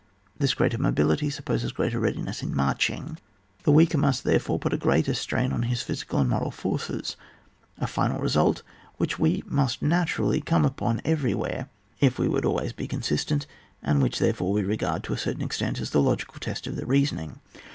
This greater mobility supposes greater readiness in marching. The weaker must therefore put a greater strain on his physical and moral forces, — a final result which we must naturally come upon . everywhere if we would always be con sistent, and which, therefore, we regard, to a certain extent, as the logical test of tlie reasoning.